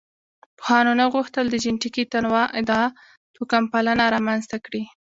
پوهانو نه غوښتل د جینټیکي تنوع ادعا توکمپالنه رامنځ ته کړي.